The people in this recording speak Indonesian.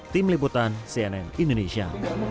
tim liputan cnn indonesia